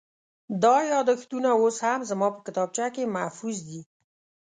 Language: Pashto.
دا یادښتونه اوس هم زما په کتابخانه کې محفوظ دي.